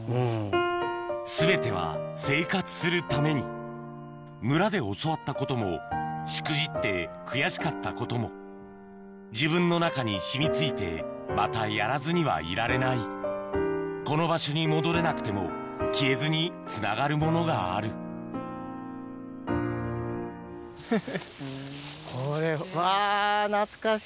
全ては生活するために村で教わったこともしくじって悔しかったことも自分の中に染み付いてまたやらずにはいられないこの場所に戻れなくても消えずにつながるものがあるこれ。